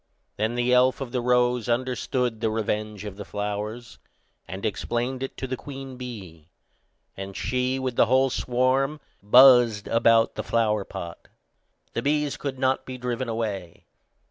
Then the elf of the rose understood the revenge of the flowers, and explained it to the queen bee, and she, with the whole swarm, buzzed about the flower pot. The bees could not be driven away.